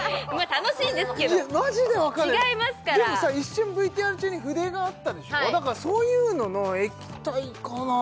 楽しいですけど違いますからマジでわかんないでもさ一瞬ＶＴＲ中に筆があったでしょだからそういうのの液体かな？